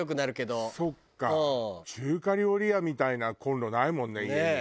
中華料理屋みたいなコンロないもんね家に。